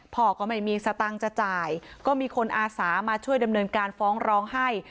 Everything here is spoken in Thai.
พ่อก็ไม่มีสตังค์จะจ่ายก็มีคนอาสามาช่วยดำเนินการฟ้องร้องให้